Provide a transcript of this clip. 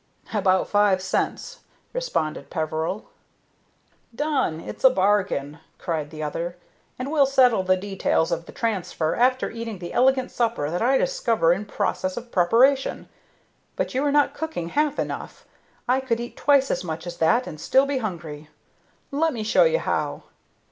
"About five cents," responded Peveril. "Done! It's a bargain," cried the other. "And we'll settle the details of the transfer after eating the elegant supper that I discover in process of preparation. But you are not cooking half enough. I could eat twice as much as that and still be hungry. Let me show you how.